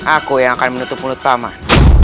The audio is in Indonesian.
aku yang akan menutup mulut taman